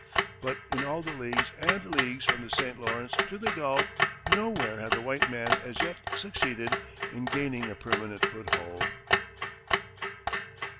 But in all the leagues and leagues from the St. Lawrence to the Gulf, nowhere had the white man as yet succeeded in gaining a permanent foothold.